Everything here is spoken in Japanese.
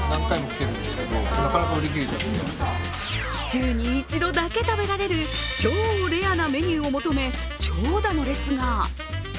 週に１度だけ食べられる、超レアなメニューを求め、長蛇の列が。